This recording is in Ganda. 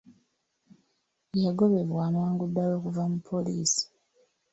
Yagobebwa amangu ddala okuva mu poliisi.